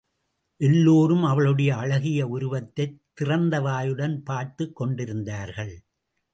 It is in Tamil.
எல்லோரும் அவளுடைய அழகிய உருவத்தைத் திறந்த வாயுடன் பார்த்துக் கொண்டிருந்தார்கள்.